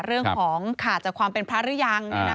เรื่องของขาดจากความเป็นพระหรือยัง